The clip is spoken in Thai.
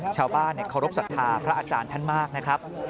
ชาวบ้านเคารพสัทธาพระอาจารย์ท่านมากนะครับ